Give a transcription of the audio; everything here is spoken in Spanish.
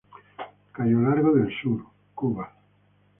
Cayo largo del Sur, Cuba